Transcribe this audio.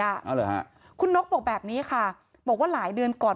เอาเหรอฮะคุณนกบอกแบบนี้ค่ะบอกว่าหลายเดือนก่อน